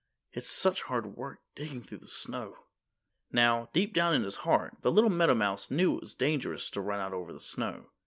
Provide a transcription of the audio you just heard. "It's such hard work digging through the snow." Now, deep down in his heart, the little meadowmouse knew it was dangerous to run out over the snow.